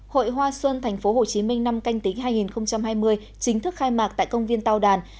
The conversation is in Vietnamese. hội hoa xuân tp hcm năm canh tính hai nghìn hai mươi chính thức khai mạc tại công viên tàu đàn